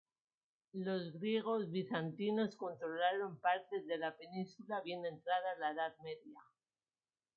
Los griegos bizantinos controlaron partes de la península bien entrada la Edad Media.